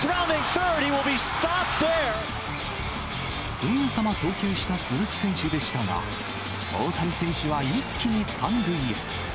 すぐさま送球した鈴木選手でしたが、大谷選手は一気に３塁へ。